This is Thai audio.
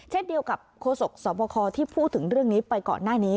เช่นเดียวกับโฆษกสวบคที่พูดถึงเรื่องนี้ไปก่อนหน้านี้